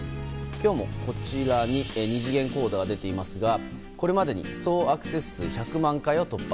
今日もこちらに二次元コードが出ていますがこれまでに総アクセス数１００万回を突破。